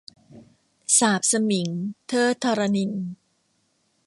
สาปสมิง - เทอด ธรณินทร์